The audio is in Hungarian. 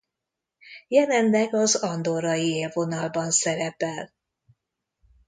Jelenleg az andorrai élvonalban szerepel.